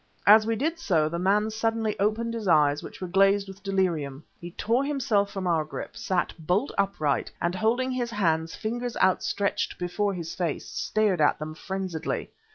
As we did so, the man suddenly opened his eyes, which were glazed with delirium. He tore himself from our grip, sat bolt upright, and holding his hands, fingers outstretched, before his face, stared at them frenziedly.